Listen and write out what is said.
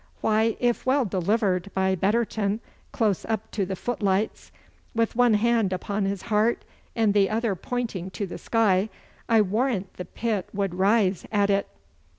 Why, if well delivered by Betterton close up to the footlights, with one hand upon his heart and the other pointing to the sky, I warrant the pit would rise at it.